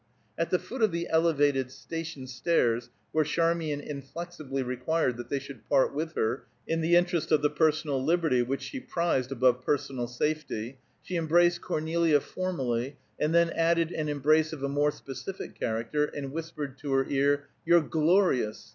At the foot of the Elevated station stairs, where Charmian inflexibly required that they should part with her, in the interest of the personal liberty which she prized above personal safety, she embraced Cornelia formally, and then added an embrace of a more specific character, and whispered to her ear, "You're glorious!"